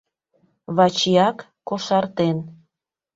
Вачиак кошартен.